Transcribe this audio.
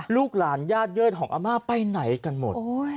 ลูกหลานญาติเยิดของอาม่าไปไหนกันหมด